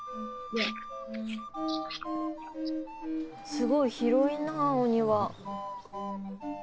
すごい広いなぁお庭。